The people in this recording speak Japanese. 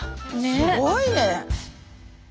すごいね。